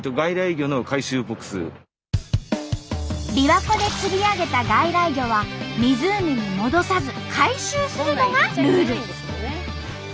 びわ湖で釣り上げた外来魚は湖に戻さず回収するのがルール。